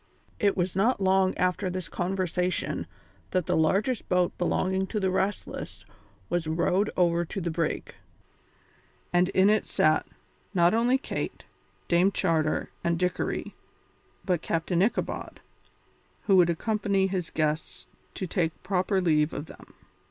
It was not long after this conversation that the largest boat belonging to the Restless was rowed over to the brig, and in it sat, not only Kate, Dame Charter, and Dickory, but Captain Ichabod, who would accompany his guests to take proper leave of them.